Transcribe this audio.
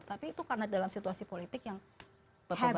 tapi itu karena dalam situasi politik yang bapak bapak ada